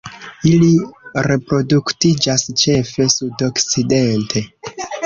Ili reproduktiĝas ĉefe sudokcidente.